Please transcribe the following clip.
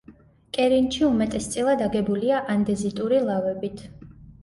კერინჩი უმეტესწილად აგებულია ანდეზიტური ლავებით.